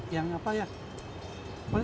yang apa ya